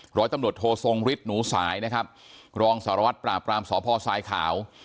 หรือตำรวจโทนริสหนูสายนะครับรองสารวัตรปราบกรามสอพพ์ทอสายขาว